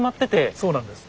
そうなんです。